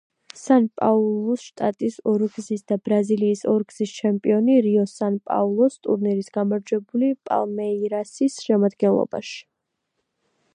სან-პაულუს შტატის ორგზის და ბრაზილიის ორგზის ჩემპიონი, რიო-სან-პაულუს ტურნირის გამარჯვებული „პალმეირასის“ შემადგენლობაში.